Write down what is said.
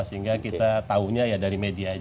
sehingga kita tahunya ya dari media aja